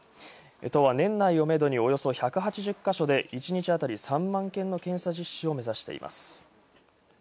都は年内をめどにおよそ１８０カ所で１日当たり３万件の検査実施を目指しています。